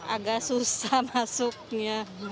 agak susah masuknya